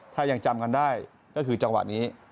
ถ้ายังจำกันได้ก็คือจังหวะนี้